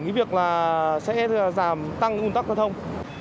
cái việc là sẽ giảm tăng un tắc giao thông